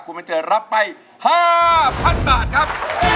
คุณบัญเจิดรับไป๕๐๐๐บาทครับ